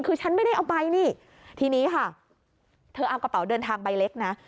คือฉันไม่ได้เอาไปนี่ทีนี้ค่ะเธอเอากระเป๋าเดินทางใบเล็กนะ